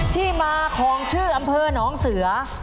ที่มาของชื่ออำเภอหนองเสือ